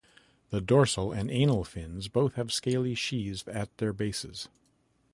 The dorsal and anal fins both have scaly sheaths at their bases.